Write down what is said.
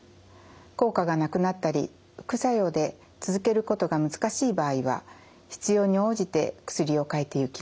効果がなくなったり副作用で続けることが難しい場合は必要に応じて薬を変えてゆきます。